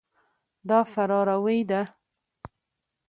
دا فراروی ده.